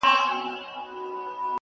بل څوک خو بې خوښ سوی نه وي~